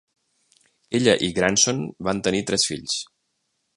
Ella i Granson van tenir tres fills.